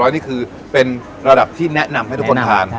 นี่คือเป็นระดับที่แนะนำให้ทุกคนทาน